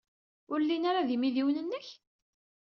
Ur llin ara d imidiwen-nnek?